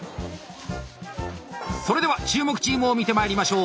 それでは注目チームを見てまいりましょう。